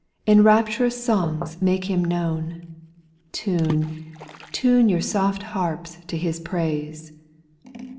289 In rapturous songs make Him known, Tune, tune your soft harps to His praise.